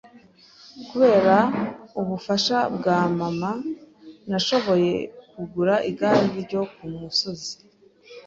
Kubera ubufasha bwa mama, nashoboye kugura igare ryo kumusozi.